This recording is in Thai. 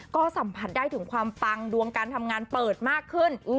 ก็สัมผัสได้ถึงความปังดวงการทำงานเปิดมากขึ้น